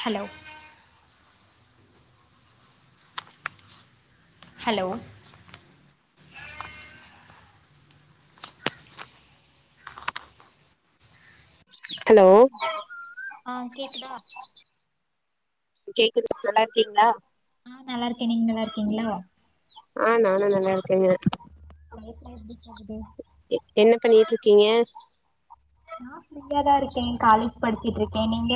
Hello hello hello ஆ கேக்குதா கேக்குது நல்லா இருக்கீங்ளா ஆ நல்லா இருக்கே நீங்க நல்லா இருக்கீங்ளா ஆ நானு நல்லா இருக்கேங்க லைஃப்லா எப்டி போகுது எ என்ன பண்ணிகிட்ருக்கீங்க நா ஃப்ரீயா தா இருக்கே காலேஜ் படிச்சுட்ருக்கே நீங்க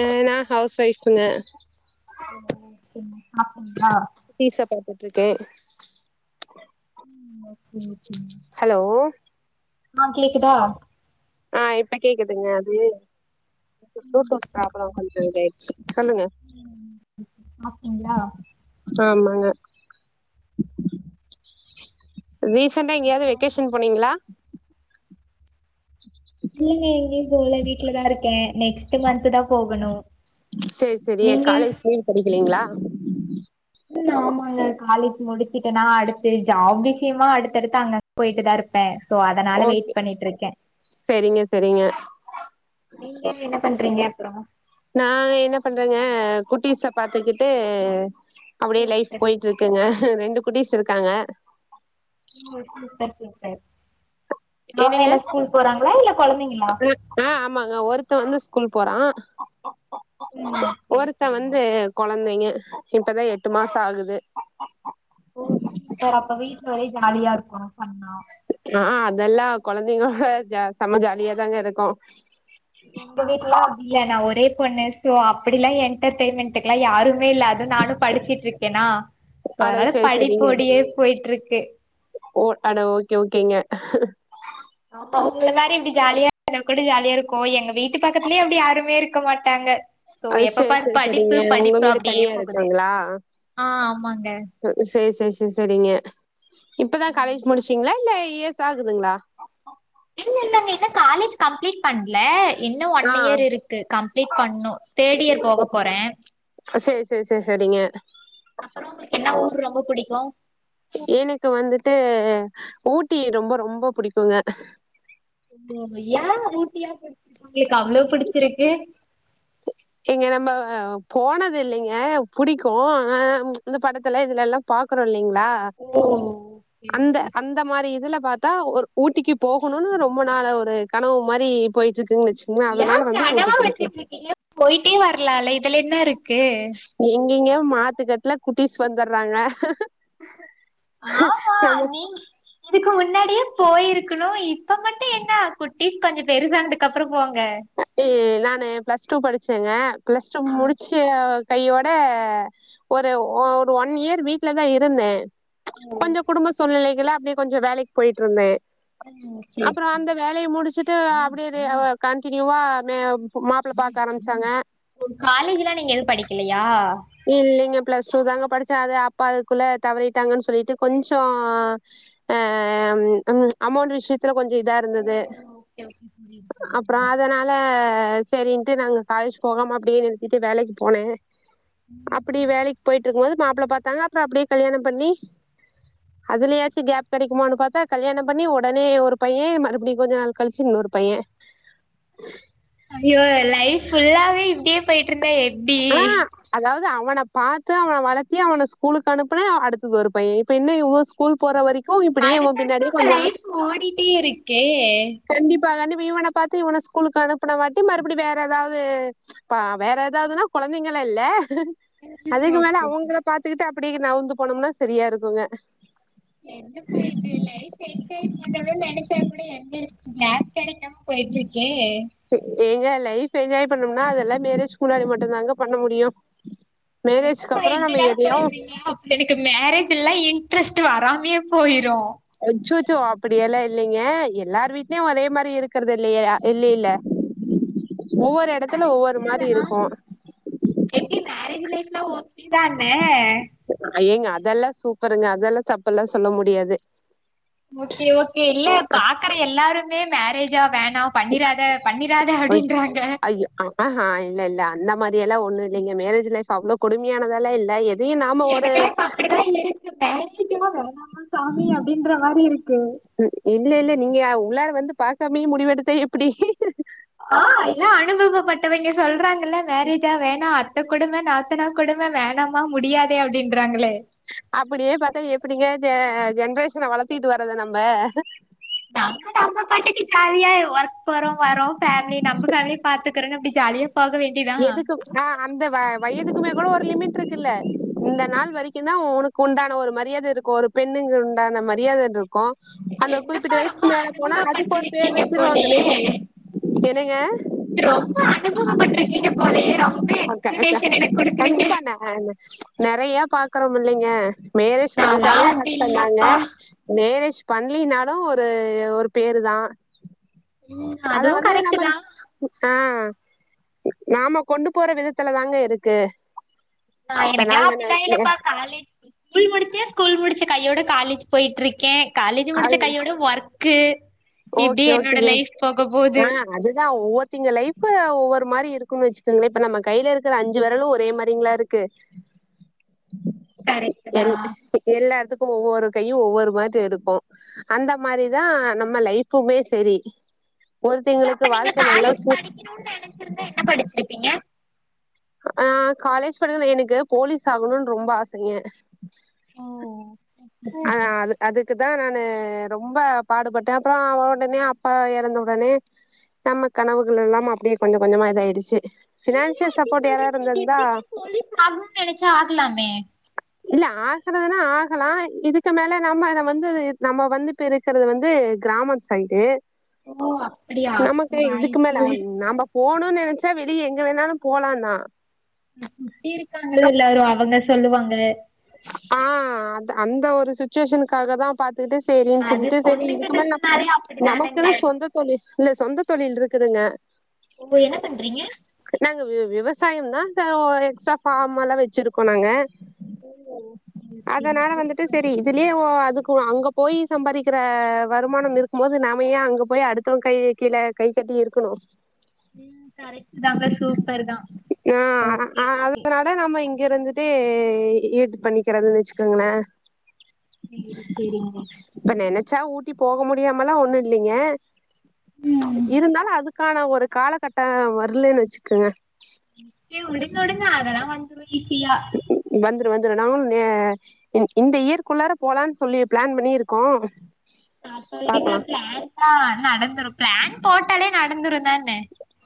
அ நா ஹவுஸ் ஒய்ஃபுங்க ஓ செரிங்க சாப்டீங்ளா போட்ருக்கே ம் ஓகே ஓகே ஹலோ ஆ கேக்குதா ஆ இப்ப கேக்குதுங்க அது கொஞ்ச ம் புளுடூத் பிராப்ள ஓகே. கொஞ்ச இதாயிருச்சு ம் சாப்டீங்ளா ஆமாங்க ரீசென்டா எங்கயாவ்து அப்றோ வெக்கேஷன் போனீங்ளா இல்லங்க எங்கயும் போல வீட்லதா இருக்கே நெக்ஸ்ட் மந்த்துதா போகணு சேரி சேரி நீங்க காலேஜ்லே படி [inaudible] ம் ஆமாங்க காலேஜ் முடிச்சிட்டேனா அடுத்து ஜாப் விஷயமா அடுத்தடுத்து அங்கங்க போயிட்டுதா இருப்பே சோ அதனால வெயிட் ஓகே பண்ணிட்ருக்கே செரிங்க செரிங்க நீங்க என்ன பண்றிங்க நா என்ன பண்றேங்க குட்டீச பாத்துக்கிட்டு அப்டியே லைஃப் சூப்பர் சூப்பர் போயிட்ருக்குங்க ரெண்டு குட்டீஸ் இருக்காங்க ஓ சூப்பர் சூப்பர் அவங்க என்னங்க என்ன ஸ்கூல் போறாங்களா இல்ல கொழந்தைங்களா ஆ ஆமாங்க ஒருத்த வந்து ஸ்கூல் போறா ம் சேரி ஒருத்த சேரிங்க வந்து கொழந்தைங்க இப்பதா எட்டு மாச ஆகுது ஓ சூப்பர் அப்ப வீட்ல ஒரே ஜாலியா இருக்கு ஃபன்னா ஆ அதெல்லா கொழந்தைங்களோட ஜ செம்ம ஜாலியாதாங்க இருக்கு எங்க வீட்லலா அப்டி இல்ல நா ஒரே பொண்ணு சோ அப்டிலா என்டர்டெயின்மெண்ட்டுக்குலா யாரு இல்ல அது நானு படிச்சிட்ருக்கேனா சோ அட அதனால சேரி சேரிங்க படிப்போடியே போய்ட்டுருக்கு ஒ அட ஓகே ஓகேங்க ஆமா உங்ள மாரி இப்டி ஜாலியா கூட ஜாலியா இருக்கு எங்க வீட்டு பக்கத்துலயே அப்டி யாருமே இருக் க மாட்டாங்க சோ அது எப்ப சேரி பாரு சேரி சேரிங்க படிப்பு உங்க படிப்பு வீடு அப்டியே தனியா போகுது இருக்குங்களா ஆ ஆமாங்க செரி செரி செரிங்க இப்பதா காலேஜ் முடிச்சிங்ளா இல்ல இயர்ஸ் ஆகுதுங்ளா இல்ல இல்லங்க இன்னு காலேஜ் கம்ப்ளீட் பன்ல இன்னு ஆ ஒன்னியர் இருக்கு கம்ப்ளீட் பன்னு தேர்ட் இயர் போக போறே சேர் சேர் சேர் சேரிங்க அப்புறம் உங்களுக்கு என்ன ஊர் ரொம்ப பிடிக்கும் எனக்கு வந்துட்டு ஊட்டி ரொம்ப ரொம்ப புடிக்குங்க ஓ ஏ ஊட்டியா பிடிச்சிருக் உங்களுக்கு அவ்ளோ பிடிச்சிருக்கு எங்க நம்ம போனதில்லிங்க புடிக்கு ஆ இந்த படத்துல இதுலெல்லா பாக்றோ இல்லிங் ஓ அந்த அந்த மாரி இதுல பாத்தா ஒரு ஊட்டிக்கு போகணுனு ரொம்ப நாள ஒரு கனவு மாரி போயிட்ருக்கு ஏ கனவா வச்சிட்ருக்கிங்க போய்ட்டே வர்லால இதுல என்ன இருக் எங்கெங்க மாத்துக்கட்ல குட்டிஸ் வந்துடுறாங்க ஆமா நமக்கு நீங்க இதுக்கு முன்னாடியே போயிருக்கணு இப்ப மட்டு என்ன குட்டிஸ் கொஞ்ச பெருசானதுக்கப்ற போங்க எ நானு ப்ளஸ் டூ படிச்சேங்க ப்ளஸ் டூ முடிச்சு கையோட ஒரு ஒரு ஒன் இயர் வீட்லதா இருந்தே கொஞ்சோ குடும்ப சூழ்நிலைகள்ல அப்டியே கொஞ்ச வேலைக் போய்ட்ருந்தே ம், சரி அப்றோ அந்த வேலைய முடிச்சுட் ட்டு அப்டியே எ ஒ கண்டினியூவா மே மாப்ள பாக்க ஆரம்பிச்சாங்க ஒ காலேஜ்ல்லா நீங்க எது படிக்கலையா இல்லங்க ப்ளஸ் டூ தாங்க படிச்சே அது அப்பா அதுக்குள்ள தவறிட்டாங்கன் சொல்லிட்டு கொஞ்சோ அ ம் ம் அமெண்ட் விஷயத் துல கொஞ்ச இதா ஓ இருந்தது ஓகே ஓகே புரியுது அப்ற புரியுதுங்க அதனால செரின்ட்டு நாங்க காலேஜ் போகாமா அப்டியே நிறுத்திட்டு வேலக்கு போனே அப்டி வேலைக்கு போயிட்ருக்கும் போது மாப்ள பாத்தாங்க அப்ற அப்டியே கல்யாணம் பண்ணி அதுலயாச்சு கேப் கெடைக்குமானு பாத்தா கல்யாணம் பண்ணி ஒடனே ஒரு பைய மறுபடி கொஞ்ச நாள் கழிச்சு இன்னொ ரு பையேன் ஐயோ லைஃப் ஃபுல்லாவே இப்டியே போய்ட்ருந்தா ஆ அதாவ்து அவன பாத்து அவன வளத்தி அவன ஸ்கூலுக்கு அனுப்புனே அடுத்தது ஒரு பையெ இப்ப இன்னு இவ ஸ்கூல் போற வரி அடுத்தடுத்து ஒங்க லைஃப் ஓடிட்டேருக்கே [unintelligible] ப்ப இவன பாத்தே இவன ஸ்கூலுக்கு அனுப்புன வாட்டி மறுப்டி வேற எதாவ்து பா வேற எதாவ்துனா கொழந்தைங்கள இல்ல ம் அதுக்கு மேல ஓகே அவுங்கள பாத்துக்கிட்டு அப்டி நவுந்து போனோம்னா சரியாருக்குங்க என்னப்பா இது லைஃப்ஃப என்ஜாய் பண்ணணுன் நெனச்சா கூட எங்கருக்கு கேப் கெடைக்காம போய்ட்ருக்கே ஏங்க லைஃப் என்ஜாய் பண்ணும்னா அதெல்லா மேரேஜ்க்கு முன்னாடி மட்டுந்தாங்க பண்ண முடியு மேரேஜ்க்கு என்னப்பா அப்றோ நம்ம இப்டிலா எதையு சொல்ட்றீங்க எனக்கு மேரேஜெல்லா இ ன்ட்ரெஸ்ட் வராமே போயிரு அச்சோச் சோ அப்டியெல்லா இல்லீங்க எல்லார் வீட்லயு ஒரே மாரி இருக்கறது இல்லயா இல்லீல்ல அதுவு கரெக்ட்டு மாரி தா இருக்கு எப்டி மேரேஜ் லைஃப் லா ஓகே தானே அதெல்லா சூப்பருங்க அதெல்லா தப்புல்லா சொல்ல முடியாது ஓகே ஓகே இல்ல பாக்கற எல்லாருமே மேரேஜா வேண் ணா பண்ணிராத பண்ணிராத ஒய் அப்டின்றாங்க ஐயோ ஆஹா இல்ல இல்ல அந்த மாரி எல்லா ஒண்ணு இல்லங்க மேரேஜ் லைஃப் அவ்ளோ கொடுமயானதெல்லா இல்ல எ தி நாம ஒரு எனக்கெல்லாம் இப்ப அப்படிதான் இருக்கு மேரேஜா வேணாமா சாமி அப்படின்ற இல்லெல்ல நீங்க ய உள்ளார வந்து பாக்காமே முடிவெடுத்தா எப்டி ஆ இலா அனுபவப்பட்டவய்ங்க சொல்றாங்கல்ல மேரேஜா வேணா அ த்த கொடும நாத்தனா கொடும வேணாமா முடியாதே அப்டின்றாங்களே அப்பிடியே பாத்தா எப்டிங்க ஜ ஜென்ரேஷ்ன வளத்திட்டு வர்றது நம்ப நம்ப நம்ப பாட்டுக்கு ஜாலியா ஒர்க் போறோ வரோ ஃபேமிலி நம்ப ஃபேமிலி பாத்துக்கறே அப்டி எதுக்கு ஆ அந்த வ வயதுக்குமே கூட ஒரு லிமிட்ருக்குல்ல இந்த நாள் வரைக்கு தா உனக்கு உண்டான ஒரு மரியாத இருக்கு ஒரு பெண் ங்கள்உண்டான மரியாதன்ரு க்கு அந்த குறிப்பிட்ட என்னப்பா ரொம்ப வயசுக் மேல போனா அதுக்கு ஒரு பேர் அனுபவப்பட்டிருக்கீங்க வச்சிருவாங்களே போலயே என்னங்க ரொம்ப அனுபவப்பட்டிருக்கீங்க போலயே ரொம்ப க க எக்ஸ்பிளனேஷன் எனக்கு கொடுக்குறீங்க கண்டிப்பா ந அ நறையா பா பாக்கணுமுல்லைங்க மேரேஜ் நான்லாம் பண்ணிட்டாலு அப்படி கஷ்டொ தாங்க இல்லப்பா மேரேஜ் பண்லினாலு ஒரு ஒரு பேரு தா ம் அத அதுவும் வந்து கரெக்ட் நம்ம தான் ஆ நாம கொண்டு போற விதத்துல தாங்க இருக்கு நா இப்ப எனக்லா நாங்க அப்பில்லா இல்லப்பா காலேஜ் ஸ்கூல் முடிச்சே ஸ்கூல் முடிச்ச கையோட காலேஜ் போய்ட்ருக்கே காலேஜு அது முடிச்ச கையோட ஒர்க்கு இப்டி ஓகே என்னோட ஓகேங்க லைஃப் போக போது ஆ அதுதா ஒவ்வொர்த்திங்க லைஃப்ஃபு ஒவ்வொர் து மாரி இருக்கு வச்சுக்கோங்ளே இப்ப நம்ம கைலருக்ற அஞ்சு வெரலு ஒரே மாரிங்ளா இருக்கு கரெக்ட் தா எல் ப்ப எல்லாத் க்கு ஒவ்வொரு கையு ஒவ்வொரு பாத்து எடுக்கு அந்த மாரிதா நம் ம லைஃப்ஃபுமே சேரி இப்ப அப்ப நீங்க காலேஜ் படிக்ணுன் நெனைச்சிருந்தா என்ன படிச்சிருப்பீங்க ஆ காலேஜ் படிக்ல எனக்கு போலீஸ் ஆகணுன் ரொம்ப ஆசைங்க ம் அதா அது அதுக்கு தா நானு ரொம்ப பாடுபட்டே அப்பறோ அவ ஒடனே அப்பா எறந்த உடனே நம்ம கனவுகள் எல்லாம் அப்டியே கொஞ்சோ கொஞ்சமா இதாய்டுச்சு நீங்க ஏ பினான்சியல் இப்டி சப்போர்ட் யாரா சொல்றீங்க இருந்து நீங்க இருந்தா எப்பயுமே போலீஸ் ஆகணுன் நெனச்சா ஆகலாமே இல்ல ஆகுறதுன்னா ஆகலா இதுக்கு மேல நம்ம வந்து நம்ம வந்து இப்ப இருக்கிறது வந்து கிராமங் சைடு ஓ அப்டியா நமக்கு அப்ப இதுக்கு மேல வாய்ப்பில்ல நாம போணுன்னு இ நெனச்சா வெளிய எங்க வேணாலு போலா தா சுத்தி இருக்காங்கள எல்லாரு அவங்க சொல்லுவாங்க ஆ அந்த ஒரு சுச்சுவேஷனுக்காக தா பாத் து செரின்னு அது சொல்லிட்டு செரி இதுக்கு மேல பொண்ணுங்களுக்குனாலே அப்டிதானங்க நமக்குன்னு சொந்த தொழில் இல்ல சொந்த தொழில் இருக்குதுங்க ஒங்க என்ன பண்றீங்க சயம் தான் தய்யோய எக்ஸ்ட்ரா ஃபார்மல்லா வச்சிருக்கோ நாங்க ஓ! ஓகே, ஓகேங்க. அதனால வந்துட்டு சூப்பர். செரி இதுலயே ஓ அது குவா அங்க போய் சம்பாரிக்கிற வருமானம் இருக்கும் போது நாமயே அங்க போய் அடுத்தவங்க கை கீழே கை கட் டி இருக்கணு உம் கரெக்ட் தாங்க சூப்பர் தா ஓகே ஓகே இருந்துட்டே இ யூஸ் பண்ணிக்கிறதுன்னு வச்சுக்கோங்கலே சேரி சேரிங்க ச்ச ஊட்டி போக முடியாமல்லா ஒண்ணு இல்லைங்க ம். இருந்தாலு அதுக் கானா ஒரு காலகட்டோ வரலன்னு வச்சுக்கங்க உடுங்க உடுங்க அதெல்லா வந்துரு ஈசியா வந்துரு வந்துரு நாவுனே இந்த இயர்கக்குள்ளார போலான்னு சொல்லி பிளான் பண்ணியிருக்கோ அதவிடுங்க பிளான் தா நடந்துரு பிளான் போட்டாலே நடந்துரு தான்னே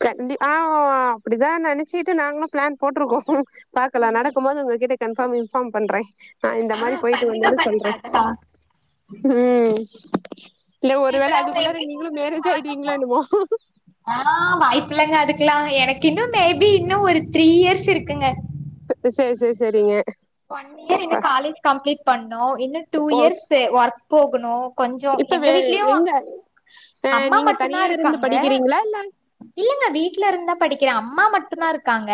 கண்டிப்பா ஆ அப்படிதா நெனைச்சிட்டு நாங்களு பிளான் போட்டிருக்கோ பாக்கலா ம். நடக்கும் போது உங்க கிட்ட கன்பார்ம் இன்ஃபார்ம் பண்ற நா இந்த ஆ மாரி போயிட்டு பண்ணுங்க, வந்தேன்னு பண்ணுங்க சொல்றே அதெல்லாம். உம் இல்ல இப்ப ஒருவேள நான் உங்கள அதுக்குள்ள எப்படி நீங்களு கூப்பிடட்டும்? மேரேஜ் வாங்க ஆயிட்டுவீங்கலோ என்னுமோ இல்லங்க அதுக்கெல்லா எனக்கு இன்னு மேபி இன்னு ஒரு த்ரீ இயர்ஸ் இருக்குங்க அது சேரி சேரி சேரிங்க ஒன் இயர் இன்ன காலேஜ் கம்ப்ளீட் பண்ணு இன்னு டூ ஓகே இயர்ஸ் ஒர்க் போகணு கொஞ்சோ இப்ப எங்க வே வீட்லயு எங்க ஆ அம்மா நீங்க மட்டு தா தனியா இருந்து இருக்காங்க படிக்கிறீங்களா இல்ல இல்லங்க வீட்டுல இருந்தா படிக்கிற அம்மா அம்மா மட்டு தா இருக்காங்க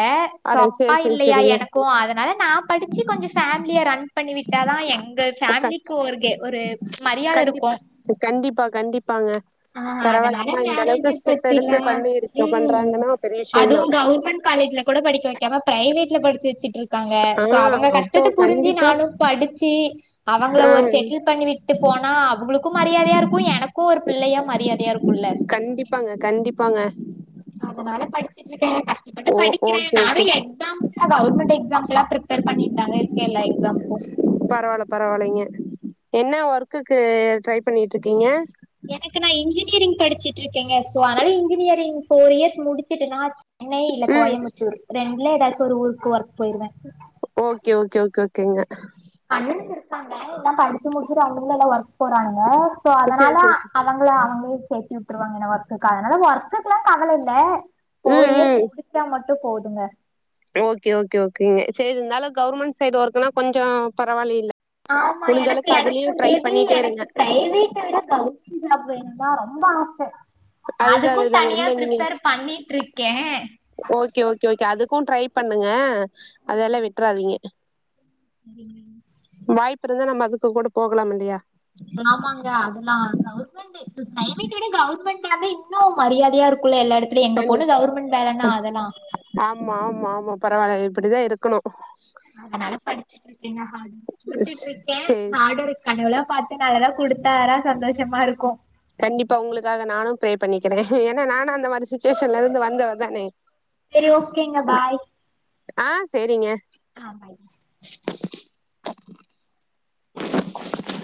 அட அப்பா சேரி சேரி இல்லையா சேரிங்க எனக்கு அதனால நா படிச்சு கொஞ்சோ ஃபேமிலிய ரன் பண்ணி விட்டாதா எங்க எங்க ஓகே ஃபேமிலிலிக்கு ஒரு ஒரு மரியாத கண்டிப் இருக்கு கண்டிப்பா கண்டிப்பாங்க ஆ பரவால்ல அதனால அம்மா இந்த அளவுக்கு மேரேஜ் ஸ்டெப் எடுத்து பத்திலா பண்ணி இருக்கு உம் பண்றாங்கன்னா பெரிய விஷயந்தா அதுவு கவர்மெண்ட் கால் லேஜ்ல கூட படிக்க வைக்காம பிரவேட்ல படிச்சு வச்சுட்டு இருக்காங்க ஆ சோ அவங்க அப்போ கஷ்டத்த புரிஞ்சி கண்டிப்பா நானு படிச்சு அவங்கள ஒரு ஆ செட்டில் பண்ணி விட்டு போனா அவுங்களுக்கு மரியாதயா இருக்கு எனக்கு ஒரு பிள்ளையா மரியாதையா இருக்கும்ல்ல கண்டிப்பாங்க கண்டிப்பாங்க அதனால படிச்சட்டு இருக்கே கஷ்டப்பட்டு ஓ படிக்கிற ஓகே நானு ஓகே எக்ஸாம்க கவர்ன்மெண்ட் எக்ஸாம்கெல்லா பிப்பேர் பண்ணிட்தாங்க இருக்கே எல்ல எக்ஸாம்க்கு பரவால்ல பரவாயலைங்க என்ன ஒர்க்குக்கு ட்ரை பண்ணிட்டு இருக்கீங்க எனக்கு நா இன்ஜினியரிங் படிச்சிட்டு இருக்கேங்க சோ அதனால இன்ஜினியரிங் போர் இயர்ஸ் முடிச்சுட்டனா சென்னை இல்ல ம் கோயம்புத்தூர் ரெண்டுல ஏதாச்சு ஒரு ஊருக்கு ஒர்க் போயிருவே ஓகே ஓகே ஓகே ஓகேங்க அண்ணனுக்கு இருக்காங்க எல்லா படிச்சு முடிச்சுட்டு அங்கங்கள எல்லா ஒர்க் போறாங்க சோ சேரி அதனால சேரி சே அவங்க ஃபுல்லா அவங்கே சேத்து விட்டுருவாங்க ஒர்க் அதனால ஒர்க் எல்லா கவல இல்ல ம் போர் இயர்ஸ் ம் புடிச்சா மட்டு போதுங்க ஓகே ஓகே ஓகேங்க சேரி இருந்தாலு கவர்மெண்ட் சைட் ஒர்க்ன்னா கொஞ்சோ பரவாயில்லைல ஆமா எனக்கு எனக்கு மே பி பண்ணிட்டே இருங்க எனக்கு பிரைவேட்ட விட கவரமெண்ட் ஜாப் வேணுனுதா ரொம்ப ஆச அதுதா அதுதாங்க இல்ல நீங்க பண்ணிட்டு இருக்கே ஓகே ஓகே ஓகே அது க்கு ட்ரை பண்ணுங்க அதெல்லா விட்றாதிங்க சரிங்க வாய்ப்பு இருந்தா நம்ம அதுக்கு கூட போகலாம் இல்லையா ஆமாங்க அதெல்லா கவர்மெண்ட்டு இது பிரைவேட் விட கவர்மெண்ட் ஜாப்பே இன்னு மரியாதையா இருக் அதெல்லா ஆமா ஆமா ஆமா பரவாயில்ல இப்படிதா இருக்கணு அதனால படிச்சட்டு இருக்கேங்க ஹார்டு வொர்க் போட்டுட்டு இருக்கே சேரி ஹார்டு வொர்க் கடவுளா பாத் து நல்லதா குடுத்தாரா சந்தோஷமா இருக்கு கண்டிப்பா உங்களுக்காக நானு ப்ரே பண்ணிக்கிறே ஏன்னா நானு அந்த மாரி சுச்சுவேஷன்ல இருந்து வந்தவ தானே சேரி ஓகேங்க பாய் ஆ சேரிங்க ஆ பாய்